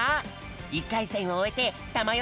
１かいせんをおえてたまよ